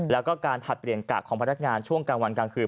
แล้วก็การผลัดเปลี่ยนกะของพนักงานช่วงกลางวันกลางคืน